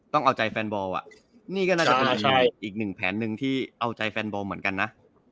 ต้องเอาใจแฟนบอลอ่ะนี่ก็น่าจะเป็นอีกหนึ่งแผนหนึ่งที่เอาใจแฟนบอลเหมือนกันนะ